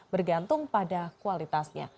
bergantung pada kualitasnya